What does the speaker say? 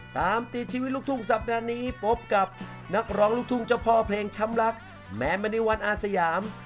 ตามติดชีวิตลูกทุ่งสัปดาห์นี้พบกับนักร้องลูกทุ่งเจ้าพ่อเพลงช้ำรักแมนมณีวันอาสยาม